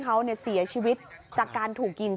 พอหลังจากเกิดเหตุแล้วเจ้าหน้าที่ต้องไปพยายามเกลี้ยกล่อม